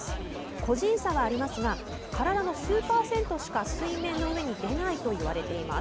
個人差はありますが体の数パーセントしか水面の上に出ないといわれています。